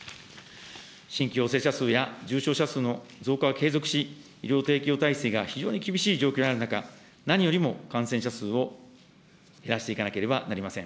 新規陽性者数や重症者数の増加は継続し、医療提供体制が非常に厳しい状況にある中、何よりも感染者数を減らしていかなければなりません。